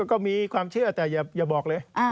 ก็มีความเชื่อแต่อย่าบอกเลย